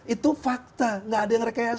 itu fakta gak ada yang rekayasa